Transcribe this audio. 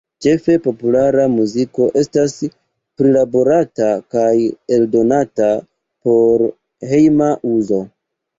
Ĉefe populara muziko estas prilaborata kaj eldonata por hejma uzo.